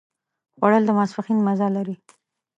خوړل د ماسپښين مزه لري